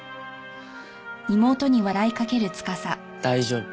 大丈夫。